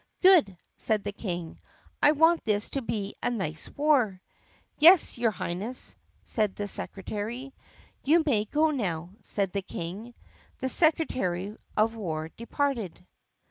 "Good!" said the King. "I want this to be a nice war." "Yes, your Highness," said the secretary. "You may now go," said the King. The secretary of war departed.